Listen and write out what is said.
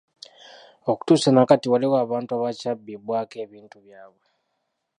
Okutuusa na kati waliwo abantu abakyabbibwako ebintu by’abwe.